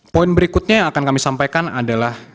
poin berikutnya yang akan kami sampaikan adalah